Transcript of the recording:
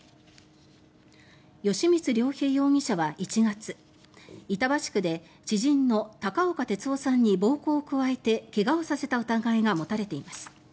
吉満良平容疑者は１月板橋区で知人の高岡鉄雄さんに暴行を加えて怪我をさせた疑いが持たれています。